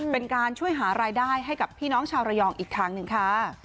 เป็นการช่วยหารายได้ให้กับพี่น้องชาวระยองอีกทางหนึ่งค่ะ